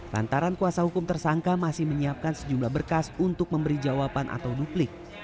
lantaran kuasa hukum tersangka masih menyiapkan sejumlah berkas untuk memberi jawaban atau duplik